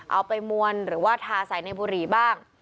เอาไปมวลหรือว่าทาใส่ในบุหรี่บ้าง